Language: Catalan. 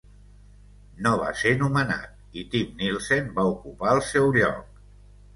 No va ser nomenat i Tim Nielsen va ocupar el seu lloc.